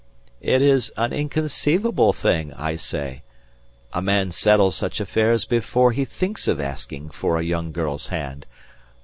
"It is an inconceivable thing I say. A man settles such affairs before he thinks of asking for a young girl's hand.